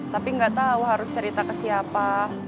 tapi nggak tahu harus cerita ke siapa